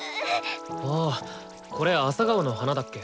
ああこれあさがおの花だっけ。